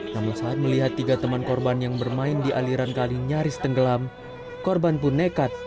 namun saat melihat tiga teman korban yang bermain di aliran kali nyaris tenggelam korban pun nekat